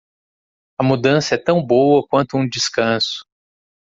A mudança é tão boa quanto um descanso.